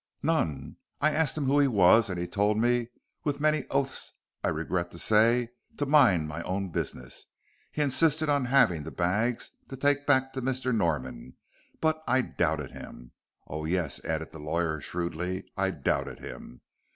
"None. I asked him who he was, and he told me with many oaths I regret to say to mind my own business. He insisted on having the bags to take back to Mr. Norman, but I doubted him oh, yes," added the lawyer, shrewdly, "I doubted him.